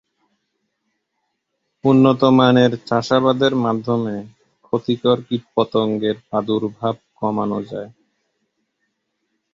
উন্নত মানের চাষাবাদের মাধ্যমে ক্ষতিকর কীটপতঙ্গের প্রাদুর্ভাব কমানো যায়।